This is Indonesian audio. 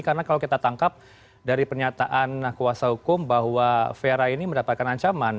karena kalau kita tangkap dari pernyataan kuasa hukum bahwa fera ini mendapatkan ancaman